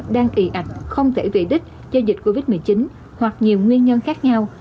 đang ị ảnh không thể vị đích do dịch covid một mươi chín hoặc nhiều nguyên nhân khác nhau